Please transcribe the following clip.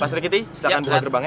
pak serikiti silakan buka gerbangnya